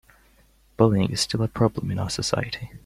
Bullying is still a problem in our society.